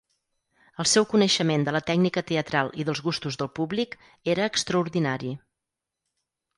El seu coneixement de la tècnica teatral i dels gustos del públic era extraordinari.